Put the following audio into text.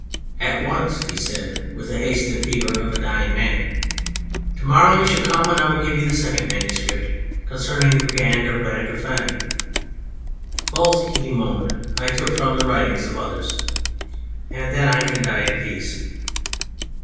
At once," he said with the haste and fever of a dying man, " to morrow you shall come and I will give you the second manuscript concerning the Brigand of Radicofani." (" Both," he moaned, " I took from the writings of others.") " And then I can die in peace."